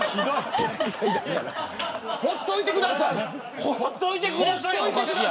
ほっといてください。